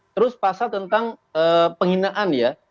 terus pasal tentang penghinaan ya